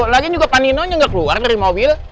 lagian juga pak nino nggak keluar dari mobil